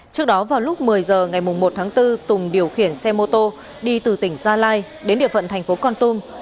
trước đó vào lúc một mươi h ngày một tháng bốn tùng điều khiển xe mô tô đi từ tỉnh gia lai đến địa phận thành phố con tum